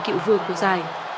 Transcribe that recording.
cựu vương của giải